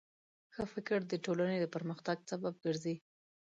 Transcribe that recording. ښه فکر د ټولنې د پرمختګ سبب ګرځي.